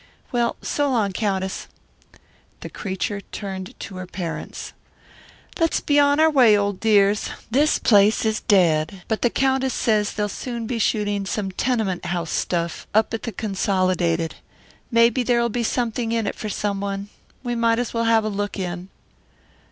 Well, so long, Countess." The creature turned to her parents. "Let's be on our way, old dears. This place is dead, but the Countess says they'll soon be shooting some tenement house stuff up at the Consolidated. Maybe there'll be something in it for someone. We might as well have a look in."